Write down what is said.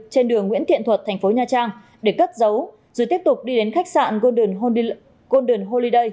trên đường nguyễn thiện thuật thành phố nha trang để cất giấu rồi tiếp tục đi đến khách sạn golden holiday